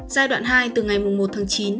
giai đoạn hai từ ngày một tháng chín